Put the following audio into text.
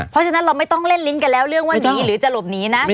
เป็นอะไรนะครับ